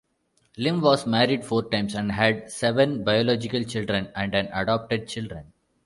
Lim was married four times, and had seven biological children and an adopted child.